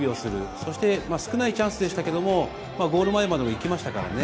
そして少ないチャンスでしたけれども、ゴール前まで行きましたからね。